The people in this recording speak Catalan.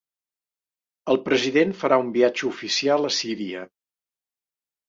El president farà un viatge oficial a Síria.